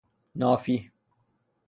نافی